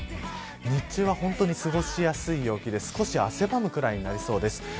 日中は本当に過ごしやすい陽気で少し汗ばむくらいになりそうです。